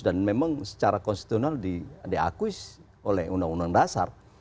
dan memang secara konstitusional diakuis oleh undang undang dasar